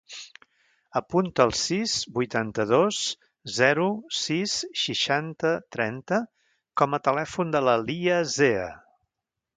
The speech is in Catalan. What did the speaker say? Apunta el sis, vuitanta-dos, zero, sis, seixanta, trenta com a telèfon de la Lya Zea.